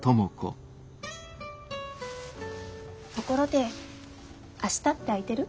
ところで明日って空いてる？